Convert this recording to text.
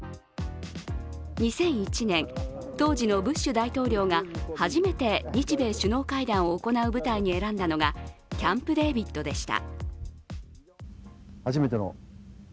２００１年、当時のブッシュ大統領が初めて日米首脳会談を行う舞台に選んだのがキャンプ・デービッドでした。